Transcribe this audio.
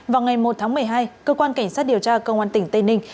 vào ngày một tháng một mươi hai cơ quan cảnh sát điều tra công an tỉnh tây ninh